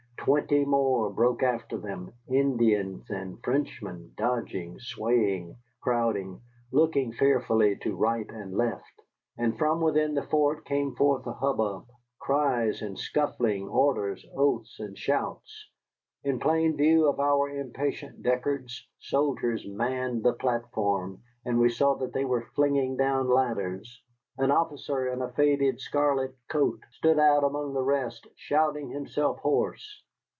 Twenty more broke after them, Indians and Frenchmen, dodging, swaying, crowding, looking fearfully to right and left. And from within the fort came forth a hubbub, cries and scuffling, orders, oaths, and shouts. In plain view of our impatient Deckards soldiers manned the platform, and we saw that they were flinging down ladders. An officer in a faded scarlet coat stood out among the rest, shouting himself hoarse.